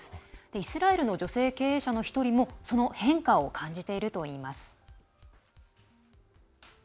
イスラエルの女性経営者の１人もその変化を感じているといいます。